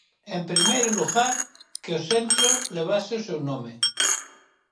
En primeiro lugar, que o centro levase o seu nome.